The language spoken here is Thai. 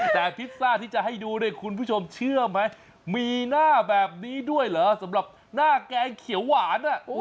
แต่พิซซ่าที่จะให้ดูเนี่ยคุณผู้ชมเชื่อไหมมีหน้าแบบนี้ด้วยเหรอสำหรับหน้าแกงเขียวหวาน